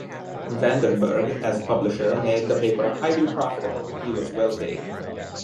Vandenberg as publisher made the paper highly profitable; he was well paid.